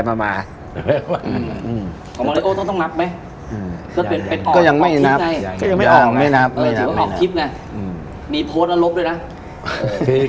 อเจมส์มะเรโอต้องนับไหมก็เป็นไปออกออกทิพย์ไงถือว่าออกทิพย์ไงมีโพสต์ละลบด้วยนะ